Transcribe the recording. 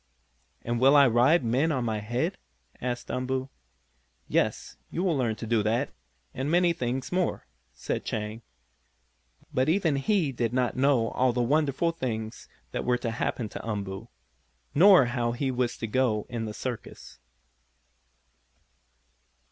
"And will I ride men on my head?" asked Umboo. "Yes, you will learn to do that, and many things more," said Chang. But even he did not know all the wonderful things that were to happen to Umboo, nor how he was to go in the circus.